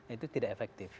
itu tidak efektif